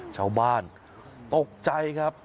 ชาวบ้านตกใจครับ